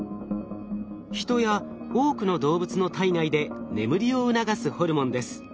ヒトや多くの動物の体内で眠りを促すホルモンです。